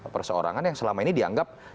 perseorangan yang selama ini dianggap